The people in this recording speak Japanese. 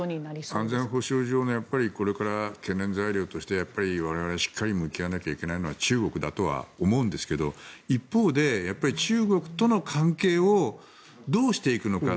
安全保障上のこれから懸念材料としてやっぱり、我々がしっかり向き合わなきゃいけないのは中国だと思うんですが一方で中国との関係をどうしていくのか。